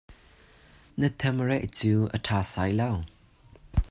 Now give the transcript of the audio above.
Na thakbare cu a tha sasai lo.